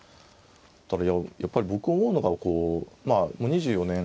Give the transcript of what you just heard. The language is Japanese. ただやっぱり僕思うのがこうまあもう２４年ね